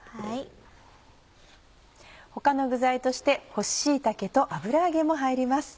他の具材として干し椎茸と油揚げも入ります。